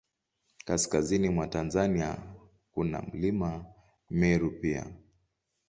Kaskazini mwa Tanzania, kuna Mlima Meru pia.